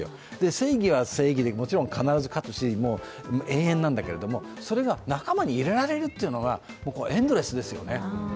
正義は正義でもちろん必ず勝つし、永遠なんだけれども、それが仲間に入れられるというのが、エンドレスですよね。